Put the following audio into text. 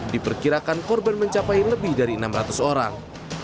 diperkirakan korban mencapai lebih dari enam ratus orang